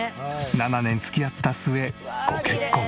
７年付き合った末ご結婚。